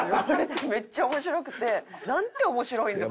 めっちゃ面白くてなんて面白いんだ